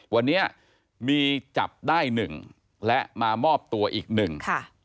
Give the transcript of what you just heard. วันนี้มีจับได้หนึ่งและมามอบตัวอีกหนึ่งค่ะ